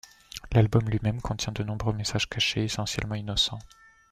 L'album lui-même contient de nombreux messages cachés, essentiellement innocents.